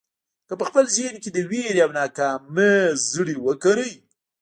که په خپل ذهن کې د وېرې او ناکامۍ زړي وکرئ.